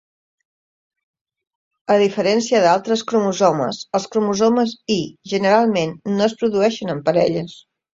A diferència d'altres cromosomes, els cromosomes Y generalment no es produeixen en parelles.